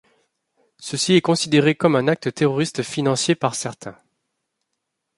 Ceci est considéré comme un acte terroriste financier par certains.